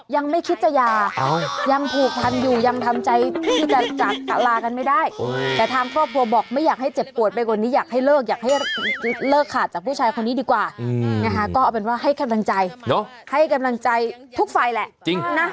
ยังไม่คิดจะยายังถูกทันอยู่ยังทำใจพี่จะจัด